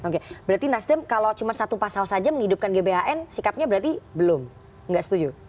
oke berarti nasdem kalau cuma satu pasal saja menghidupkan gbhn sikapnya berarti belum nggak setuju